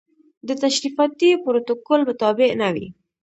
د تشریفاتي پروتوکول تابع نه وي.